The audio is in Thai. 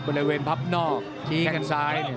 บริเวณพับนอกแข่งซ้าย